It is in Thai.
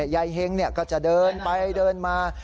ยายเห็งก็จะเดินไปเดินมา